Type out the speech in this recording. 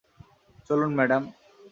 চলুন, ম্যাডাম।